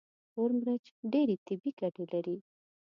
تور مرچ ډېرې طبي ګټې لري.